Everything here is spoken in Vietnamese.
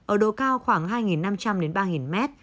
ở độ cao khoảng hai năm trăm linh đến ba mét